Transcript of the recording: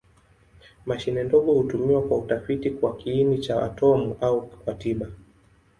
Mashine ndogo hutumiwa kwa utafiti kwa kiini cha atomi au kwa tiba.